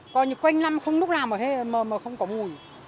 coi như quanh năm không lúc nào mà hết mờ mà không có mùi